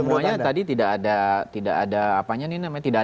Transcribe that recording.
semuanya tadi tidak ada apa apa